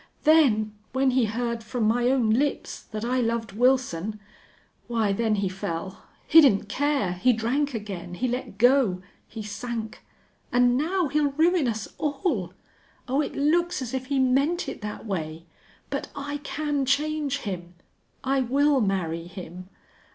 Then when he heard from my own lips that I loved Wilson why, then he fell. He didn't care. He drank again. He let go. He sank. And now he'll ruin us all. Oh, it looks as if he meant it that way!... But I can change him. I will marry him.